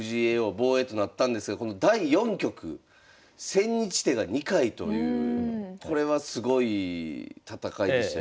防衛となったんですがこの第４局千日手が２回というこれはすごい戦いでしたよね。